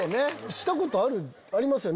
したことありますよね。